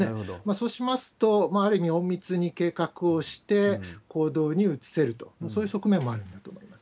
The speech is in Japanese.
そうしますと、ある意味隠密に計画をして行動に移せると、そういう側面もあるんだと思います。